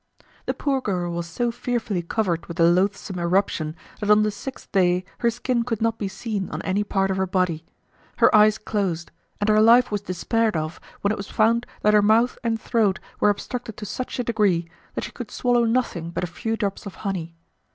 The poor girl was so fearfully covered with the loathsome eruption, that on the sixth day her skin could not be seen on any part of her body. Her eyes closed, and her life was despaired of, when it was found that her mouth and throat were obstructed to such a degree that she could swallow nothing but a few drops of honey.